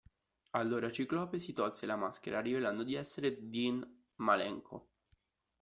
Allora Ciclope si tolse la maschera, rivelando di essere Dean Malenko.